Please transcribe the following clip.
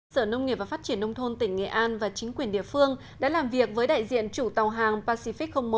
sở nông nghiệp và phát triển nông thôn tỉnh nghệ an và chính quyền địa phương đã làm việc với đại diện chủ tàu hàng pacific một